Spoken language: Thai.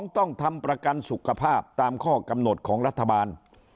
ต้องทำประกันสุขภาพตามข้อกำหนดของรัฐบาล